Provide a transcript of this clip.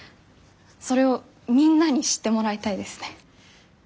それをみんなに知ってもらいたいですね。